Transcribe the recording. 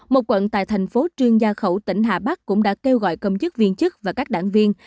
một quận tại thành phố trương gia khẩu tỉnh hà bắc cũng đã kêu gọi công chức viên chức và các đảng viên